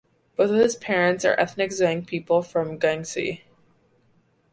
Both of his parents are ethnic Zhuang people from Guangxi.